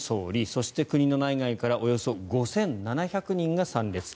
そして国の内外からおよそ５７００人が参列。